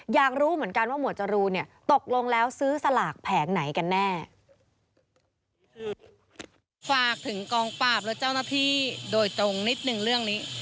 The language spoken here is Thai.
อยากรู้เหมือนกันว่าหมวดจรูนตกลงแล้วซื้อสลากแผงไหนกันแน่